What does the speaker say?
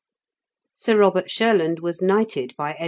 Sir Eobert Shurland''' was knighted by Edward I.